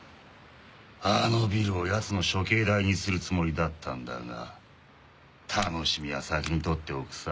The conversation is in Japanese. あのビルを奴の処刑台にするつもりだったんだが楽しみは先に取っておくさ。